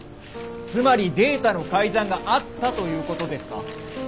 つまりデータの改ざんがあったということですか？